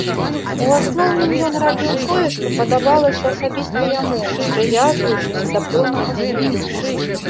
У асноўным ён рабіў тое, што падабалася асабіста яму, не прывязваючыся да пэўнага стылю.